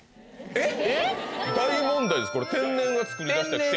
えっ！？